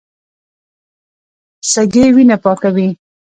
سږي وینه پاکوي.